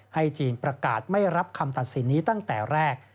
จีนประกาศไม่รับคำตัดสินนี้ตั้งแต่แรก